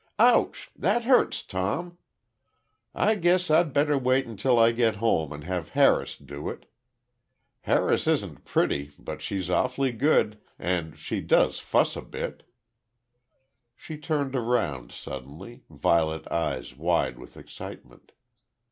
"Ouch! That hurts, Tom! I guess I'd better wait until I get home and have Harris do it. Harris isn't pretty, but she's awfully good; and she doesn't fuss a bit" ... She turned around, suddenly, violet eyes wide with excitement.